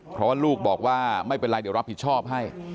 เพราะว่าลูกบอกว่าไม่เป็นไรเดี๋ยวรับผิดชอบให้